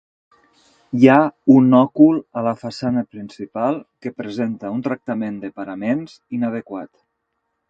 Hi ha un òcul a la façana principal, que presenta un tractament de paraments inadequat.